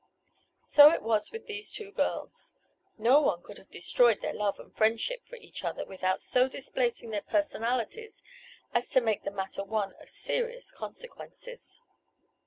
So it was with these two girls. No one could have destroyed their love and friendship for each other without so displacing their personalities as to make the matter one of serious consequences.